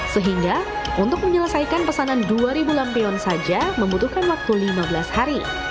sehingga untuk menyelesaikan pesanan dua ribu lampion saja membutuhkan waktu lima belas hari